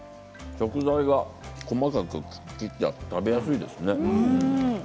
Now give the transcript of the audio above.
食材が細かく切ってあって食べやすいですね。